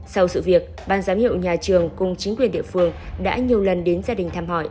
sau sự việc ban giám hiệu nhà trường cùng chính quyền địa phương đã nhiều lần đến gia đình thăm hỏi